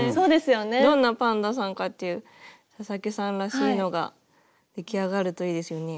どんなパンダさんかっていう佐々木さんらしいのが出来上がるといいですよね。